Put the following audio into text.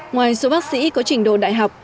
ngoài số bác sĩ có trình độ đại học